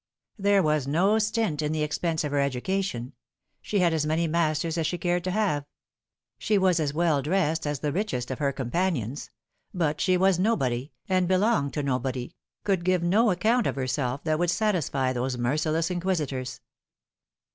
There was no stint in the expense of her education. She had as many masters as she cared to have. She was as well dressed as the richest of her companions. But she was nobody, and belonged to nobody, could give no account of herself that would satisfy those merciless inquisitors.